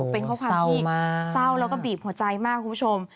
เป็นข้อความที่เศร้าแล้วก็บีบหัวใจมากคุณผู้ชม